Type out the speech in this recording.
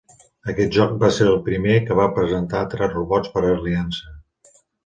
Aquest joc va ser el primer que va presentar tres robots per aliança.